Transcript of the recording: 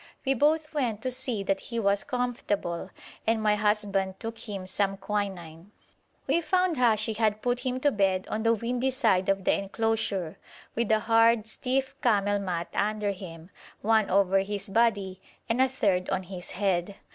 We both went to see that he was comfortable, and my husband took him some quinine. We found Hashi had put him to bed on the windy side of the enclosure, with a hard, stiff camel mat under him, one over his body, and a third on his head.